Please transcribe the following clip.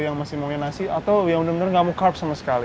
yang masih mau minum nasi atau yang benar benar nggak mau carbs sama sekali